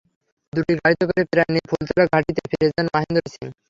দুটি গাড়িতে করে প্রাণ নিয়ে ফুলতলা ঘাঁটিতে ফিরে যান মাহেন্দ্র সিং।